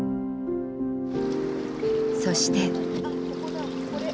そして。